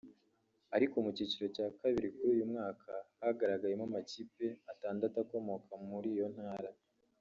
ariko mu cyiciro cya kabiri uyu mwaka hagaragayemo amakipe atandatu akomoka muri iyo ntara